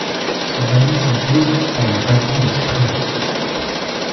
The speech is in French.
Ce dernier s'impose en les battant au sprint.